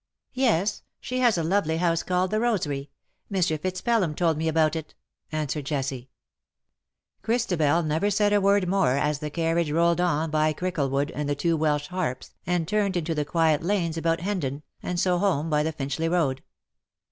" Yes ; she has a lovely house called the Rosary. Mr. FitzPelham told me about it,'' answered Jessie. Christabel said never a word more as the carriage rolled on by Cricklewood and the two Welsh Harps, and turned into the quiet lanes about Hendon, and so home by the Finchley Road.